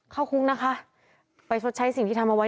เข้าคุกนะคะไปชดใช้สิ่งที่ทำเอาไว้